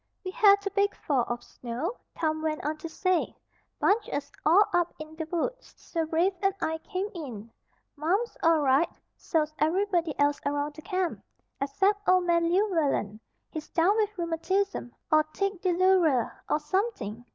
"We had a big fall of snow," Tom went on to say. "Bunged us all up in the woods; so Rafe and I came in. Marm's all right. So's everybody else around the Camp, except Old Man Llewellen. He's down with rheumatism, or tic douloureux, or something.